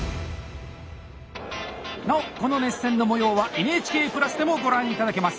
なおこの熱戦の模様はＮＨＫプラスでもご覧いただけます！